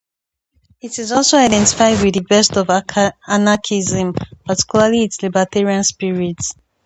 It also identified "with the best of anarchism, particularly its libertarian spirit".